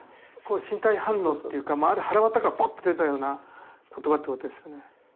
身体反応っていうかはらわたからポッと出たような言葉ってことですよね。